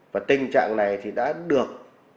và tình trạng này thì đã được